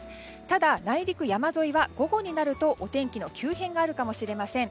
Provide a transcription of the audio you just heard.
ただ、内陸、山沿いは午後になるとお天気の急変があるかもしれません。